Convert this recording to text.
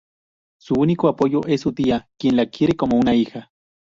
Su único apoyo es su tía, quien la quiere como una hija.